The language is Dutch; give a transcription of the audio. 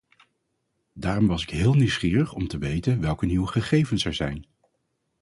Daarom was ik heel nieuwsgierig om te weten welke nieuwe gegevens er zijn.